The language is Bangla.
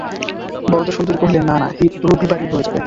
বরদাসুন্দরী কহিলেন, না না, এই রবিবারেই হয়ে যাবে।